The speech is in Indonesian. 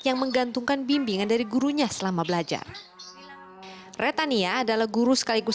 yang menggantungkan bimbingan dari gurunya selama belajar retania adalah guru sekaligus